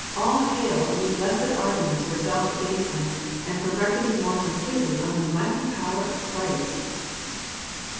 All hail, ye blessed arguments for self abasement, and for reckoning more completely on the mighty power of Christ!"